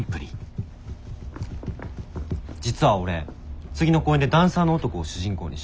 実は俺次の公演でダンサーの男を主人公にしようと思ってて。